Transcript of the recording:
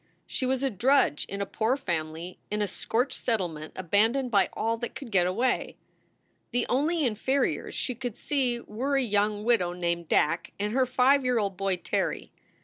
She was a drudge in a poor family in a scorched settlement abandoned by all that could get away. The only inferiors she could see were a young widow named Dack and her five year old boy, Terry.